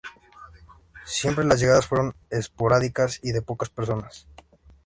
Siempre las llegadas fueron esporádicas y de pocas personas.